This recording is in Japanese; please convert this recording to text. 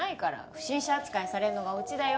不審者扱いされるのがオチだよ。